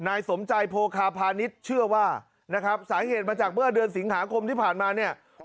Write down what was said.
นายสมใจโพคาพาณิชย์เชื่อว่านะครับสาเหตุมาจากเมื่อเดือนสิงหาคมที่ผ่านมาเนี่ย